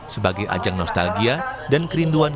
sebagai ajang nostalgia dan kerinduan